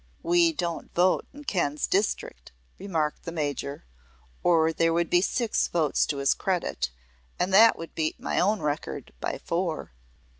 "We don't vote in Ken's district," remarked the Major, "or there would be six votes to his credit, and that would beat my own record by four!"